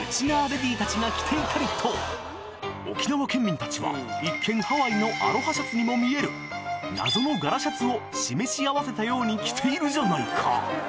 レディーたちが着ていたりと沖縄県民たちは一見ハワイのアロハシャツにも見える謎の柄シャツを示し合わせたように着ているじゃないか！